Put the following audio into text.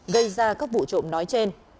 gây ra các vụ trộm nói trên